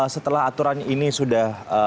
setelah aturan ini sudah